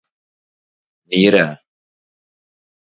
«Nirä?»